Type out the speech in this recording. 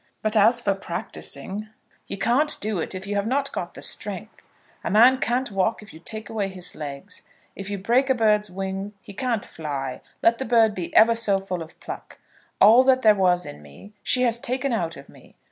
But as for practising, you can't do it if you have not got the strength. A man can't walk if you take away his legs. If you break a bird's wing he can't fly, let the bird be ever so full of pluck. All that there was in me she has taken out of me.